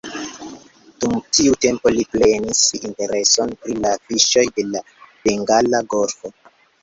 Dum tiu tempo li prenis intereson pri la fiŝoj de la Bengala Golfo.